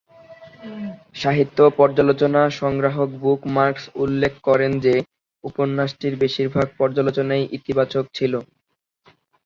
সাহিত্য পর্যালোচনা সংগ্রাহক বুক মার্কস উল্লেখ করেন যে, উপন্যাসটির বেশিরভাগ পর্যালোচনাই ইতিবাচক ছিল।